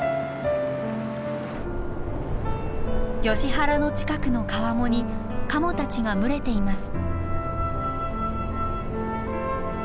ヨシ原の近くの川面にカモたちが群れています。